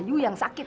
iu yang sakit